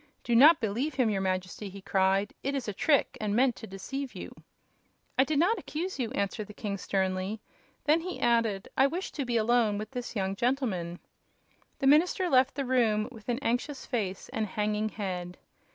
"Do not believe him, your Majesty!" he cried. "It is a trick, and meant to deceive you." "I did not accuse you," answered the king, sternly. Then he added: "I wish to be alone with this young gentleman." The minister left the room with an anxious face and hanging head.